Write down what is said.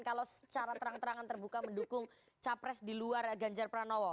kalau secara terang terangan terbuka mendukung capres di luar ganjar pranowo